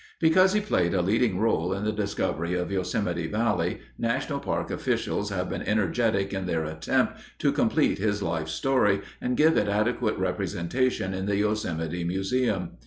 Because he played a leading role in the discovery of Yosemite Valley, national park officials have been energetic in their attempt to complete his life story and give it adequate representation in the Yosemite Museum.